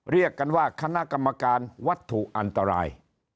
เรียกกันว่าคณะกรรมการวัตถุอันตราย